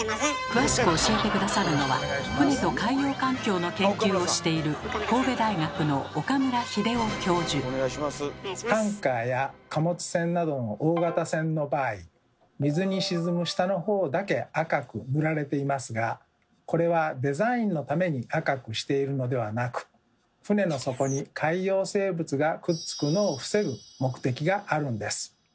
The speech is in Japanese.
詳しく教えて下さるのは船と海洋環境の研究をしているタンカーや貨物船などの大型船の場合水に沈む下のほうだけ赤く塗られていますがこれはデザインのために赤くしているのではなく船の底に海洋生物がくっつくのを防ぐ目的があるんです。